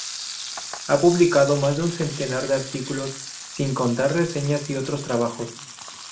Ha publicado más de un centenar de artículos, sin contar reseñas y otros trabajos.